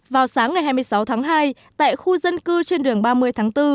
vào sáng ngày hai mươi sáu tháng hai tại khu dân cư trên đường ba mươi tháng bốn